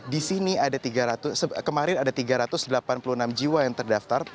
di sini ada tiga ratus kemarin ada tiga ratus delapan puluh enam jiwa yang terdaftar